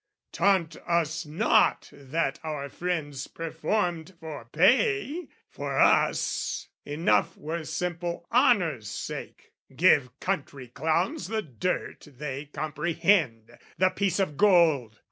Taunt us not that our friends performed for pay! For us, enough were simple honour's sake: Give country clowns the dirt they comprehend, The piece of gold!